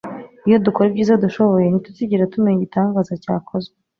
Iyo dukora ibyiza dushoboye, ntituzigera tumenya igitangaza cyakozwe